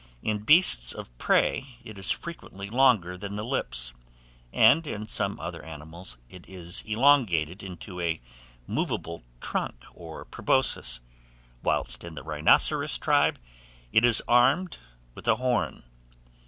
In beasts of prey, it is frequently longer than the lips; and in some other animals it is elongated into a movable trunk or proboscis, whilst, in the rhinoceros tribe, it is armed with a horn.